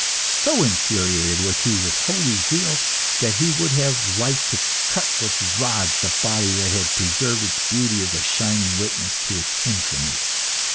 So infuriated was he with holy zeal that he would have liked to cut with rods the body that had preserved its beauty as a shining witness to its infamy.